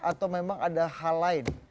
atau memang ada hal lain